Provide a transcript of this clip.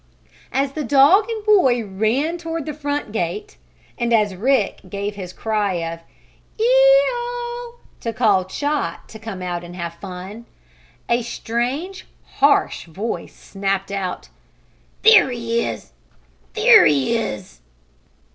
As dog and boy ran toward the front gate, and as Rick gave his cry of "Ee oh!" to call Chot to come out and have fun, a strange, harsh voice snapped out: "There he is! There he is!"